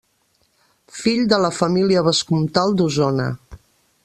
Fill de la família vescomtal d'Osona.